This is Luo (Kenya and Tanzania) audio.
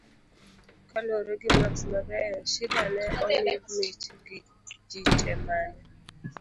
kaluwore gi maks mabeyo, Shida ne omi mich gi ji te mane